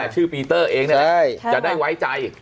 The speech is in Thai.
ชื่อปีเตอร์เองจะได้ไว้ใจ